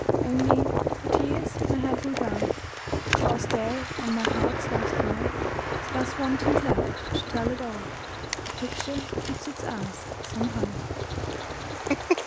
Only, for tears my head will bow, Because there on my heart's last wall, Scarce one tint left to tell it all, A picture keeps its eyes, somehow.